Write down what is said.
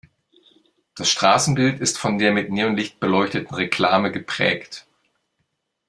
Das Straßenbild ist von der mit Neonlicht beleuchteten Reklame geprägt.